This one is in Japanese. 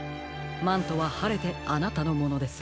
マントははれてあなたのものです。